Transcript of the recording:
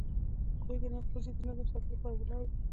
هغوی د ښوونځي نظم ساتلو لپاره ولاړ وو.